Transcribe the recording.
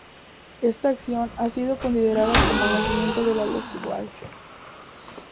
Esta acción ha sido considerada como el nacimiento de la Luftwaffe.